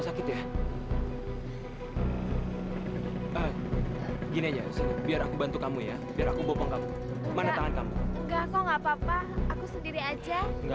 sampai jumpa di video selanjutnya